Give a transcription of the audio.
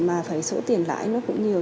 mà phải số tiền lãi nó cũng nhiều